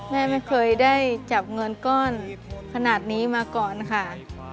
แม่ไม่เคยได้จับเงินก้อนขนาดนี้มาก่อนค่ะ